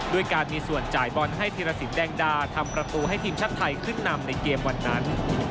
ด้วยการมีส่วนจ่ายบอลให้ธีรสินแดงดาทำประตูให้ทีมชาติไทยขึ้นนำในเกมวันนั้น